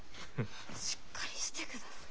しっかりしてください。